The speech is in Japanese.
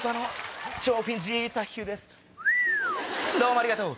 どうもありがとう！